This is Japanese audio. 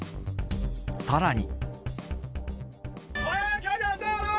さらに。